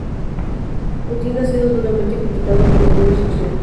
Putin ha sido duramente criticado por los medios occidentales.